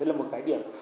đây là một cái điểm